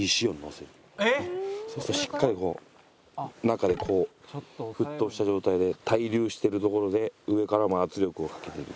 しっかりこう中でこう沸騰した状態で対流してるところで上からも圧力をかけていく。